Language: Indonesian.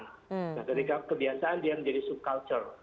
nah ketika kebiasaan dia menjadi sub culture